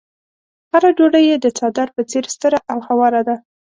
هره ډوډۍ يې د څادر په څېر ستره او هواره ده.